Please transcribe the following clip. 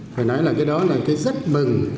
phải nói là cái đó là cái rất bừng